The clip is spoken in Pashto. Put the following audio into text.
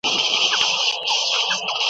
وږی ګرځي خو مغرور لکه پاچا وي .